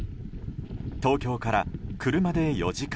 東京から車で４時間。